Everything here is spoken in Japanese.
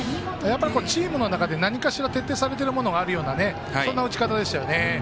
チームの中で何かしら徹底されたものがあるようなそういう打ち方でしたね。